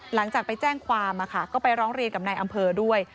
หลังจากไปแจ้งความก็ไปร้องเรียนกับนายอำเภอด้วย